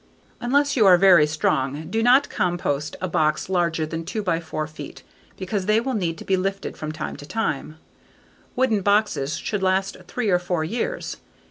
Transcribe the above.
Unless you are very strong do not construct a box larger than 2 x 4 feet because they will need to be lifted from time to time. Wooden boxes should last three or four years.